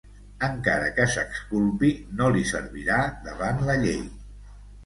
Encara que s'exculpi, no li servirà davant la llei.